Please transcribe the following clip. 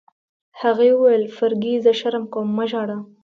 هغې وویل: فرګي، زه شرم کوم، مه ژاړه.